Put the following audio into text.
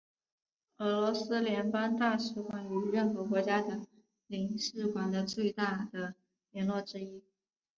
俄罗斯联邦大使馆与任何国家的领事馆的最大的联络之一。